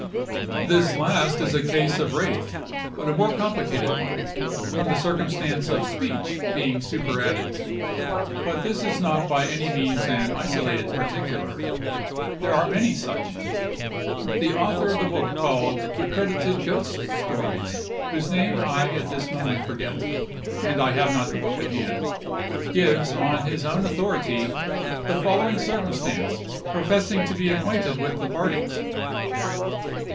This last is a case of wraith, but a more complicated one, from the circumstance of speech being superadded. But this is not by any means an isolated particular; there are many such. The author of the book called "Accredited Ghost Stories"—whose name I at this moment forget, and I have not the book at hand—gives, on his own authority, the following circumstance, professing to be acquainted with the parties.